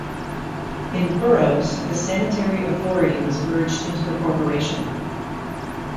In boroughs, the sanitary authority was merged into the corporation.